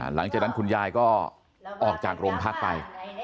หลังจากนั้นคุณยายก็ออกจากโรงพักไป